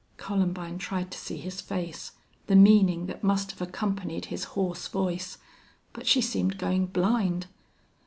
Columbine tried to see his face, the meaning that must have accompanied his hoarse voice; but she seemed going blind.